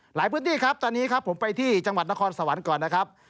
หลายพื้นที่ครับตอนนี้ครับผมไปที่จังหวัดนครสวรรค์ก่อนนะครับ